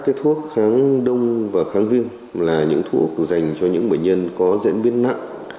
kết thuốc kháng đông và kháng viêm là những thuốc dành cho những bệnh nhân có diễn biến nặng